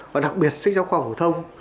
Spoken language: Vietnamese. và đặc biệt sách giáo khoa phổ thông